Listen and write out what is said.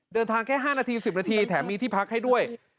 แค่๕นาที๑๐นาทีแถมมีที่พักให้ด้วย